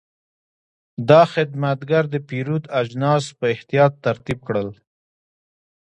دا خدمتګر د پیرود اجناس په احتیاط ترتیب کړل.